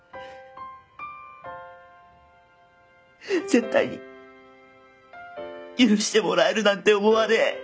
絶対に許してもらえるなんて思わねえ。